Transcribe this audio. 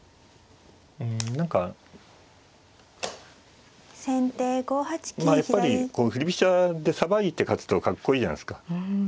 うん何かまあやっぱり振り飛車でさばいて勝つとかっこいいじゃないですか。